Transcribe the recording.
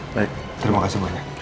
baik terima kasih pak